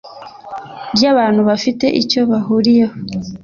Ry abantu bafite icyo bahuriyeho